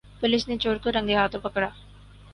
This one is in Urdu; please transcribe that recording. پولیس نے چور کو رنگے ہاتھوں پکڑا